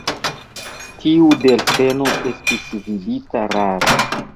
Tiu delfeno estis vidita rare.